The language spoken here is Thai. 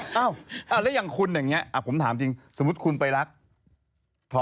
หมายความว่าเร๋งกันได้ไหม